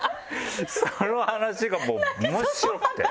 その話がもう面白くて。